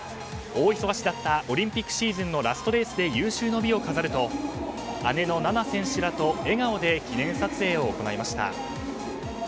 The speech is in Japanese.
大忙しだったオリンピックシーズンのラストレースで有終の美を飾ると姉の菜那選手らと笑顔で記念撮影を行いました。